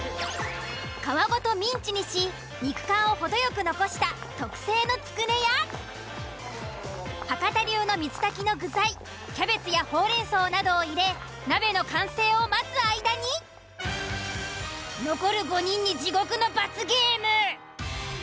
皮ごとミンチにし肉感を程よく残した特製のつくねや博多流の水炊きの具材キャベツやほうれんそうなどを入れ鍋の完成を待つ間に残る５人に地獄の罰ゲーム。